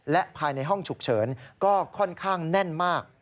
และภายในห้องฉุกเฉินก็ค่อนข้างแน่นมาก